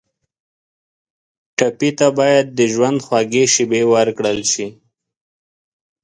ټپي ته باید د ژوند خوږې شېبې ورکړل شي.